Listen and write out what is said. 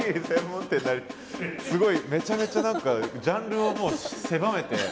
すごいめちゃめちゃ何かジャンルを狭めて。